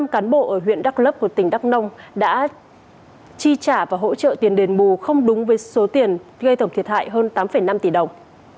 một mươi cán bộ ở huyện đắk lấp của tỉnh đắk nông đã chi trả và hỗ trợ tiền đền bù không đúng với số tiền gây tổng thiệt hại hơn tám năm tỷ đồng